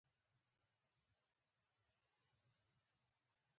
د شنو سیمو ساتنه د اقلیم د بدلون پر ضد مرسته کوي.